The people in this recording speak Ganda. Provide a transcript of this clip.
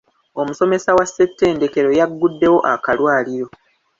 Omusomesa wa ssettendekero yagguddewo akalwaliro.